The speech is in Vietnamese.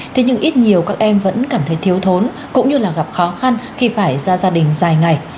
thế nhưng ít nhiều các em vẫn cảm thấy thiếu thốn cũng như là gặp khó khăn khi phải ra gia đình dài ngày